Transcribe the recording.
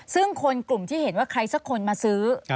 ซึ่งคนกลุ่มที่เห็นว่าใครสักคนมาซื้อ